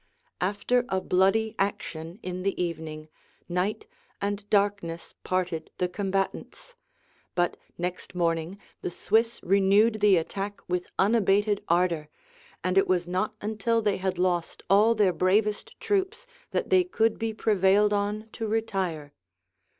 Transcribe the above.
After a bloody action in the evening, night and darkness parted the combatants; but next morning the Swiss renewed the attack with unabated ardor; and it was not till they had lost all their bravest troops that they could be prevailed on to retire.